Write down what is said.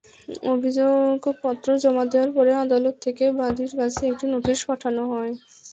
অভিযোগপত্র জমা দেওয়ার পরে আদালত থেকে বাদীর কাছে একটি নোটিশ পাঠানো হয়।